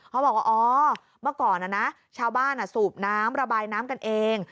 เขาบอกว่าอ๋อเมื่อก่อนนะชาวบ้านสูบน้ำระบายน้ำกันเอง